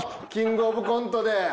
キングオブコントで。